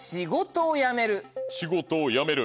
仕事を辞める。